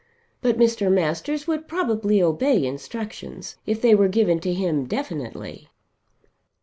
But Mr. Masters would probably obey instructions if they were given to him definitely.